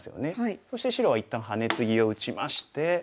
そして白は一旦ハネツギを打ちまして。